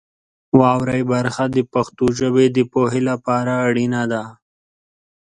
واورئ برخه د پښتو ژبې د پوهې لپاره اړینه ده.